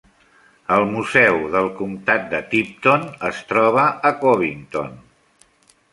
El Museu del Comtat de Tipton es troba a Covington.